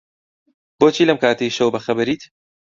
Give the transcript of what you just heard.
بۆچی لەم کاتەی شەو بەخەبەریت؟